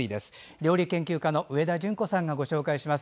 料理研究家の上田淳子さんがご紹介します。